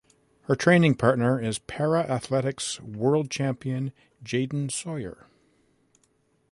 Her training partner is Para Athletics World Champion Jayden Sawyer.